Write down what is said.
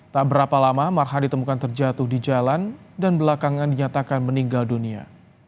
tak berapa lama marha ditemukan terjatuh di jalan dan belakangan dinyatakan meninggal dunia